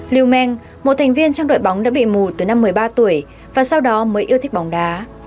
liu meng một thành viên trong đội bóng đã bị mù từ năm một mươi ba tuổi và sau đó mới yêu thích bóng đá